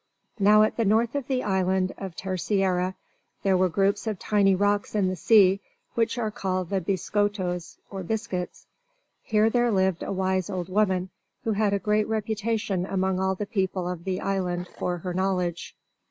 Now at the north of the island of Terceira there are groups of tiny rocks in the sea which are called the Biscoitos or biscuits. Here there lived a wise old woman who had a great reputation among all the people of the island for her knowledge.